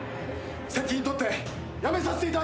責任取って辞めさせていただきます。